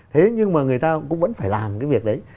thế nhưng mà người ta cũng vẫn phải làm cái việc đấy